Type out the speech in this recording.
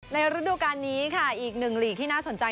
ฤดูการนี้ค่ะอีกหนึ่งหลีกที่น่าสนใจ